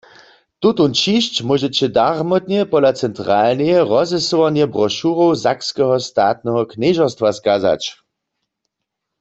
Tutón ćišć móžeće darmotnje pola Centralneje rozesyłarnje brošurow Sakskeho statneho knježerstwa skazać.